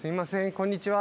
こんにちは。